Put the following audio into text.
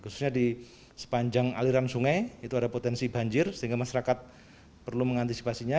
khususnya di sepanjang aliran sungai itu ada potensi banjir sehingga masyarakat perlu mengantisipasinya